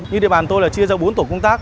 như địa bàn tôi là chia ra bốn tổ công tác